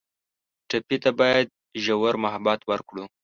ټپي ته باید ژور محبت ورکړو.